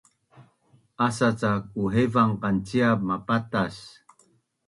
Asa cak uhevan qanciap mapatas